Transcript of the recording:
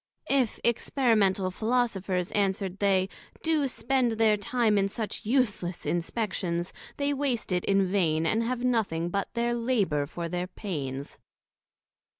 If Experimental Philosophers, answer'd they, do spend their time in such useless Inspections, they waste it in vain, and have nothing but their labour for their pains.